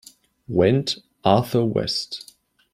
Wend, Arthur West.